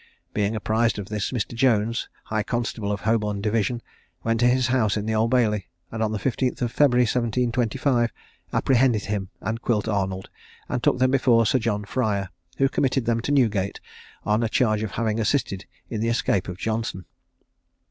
Being apprised of this, Mr. Jones, high constable of Holborn division, went to his house in the Old Bailey; and on the 15th of February, 1725, apprehended him and Quilt Arnold, and took them before Sir John Fryer, who committed them to Newgate, on a charge of having assisted in the escape of Johnson.